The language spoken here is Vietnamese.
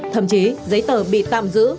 thậm chí giấy tờ bị tạm giữ